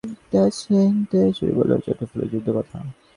সুরেশ বলে, ও, জুটফেনের যুদ্ধের কথা!